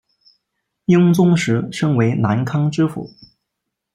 英宗时升为南康知府。